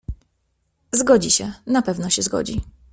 Zgodzi się, na pewno się zgodzi.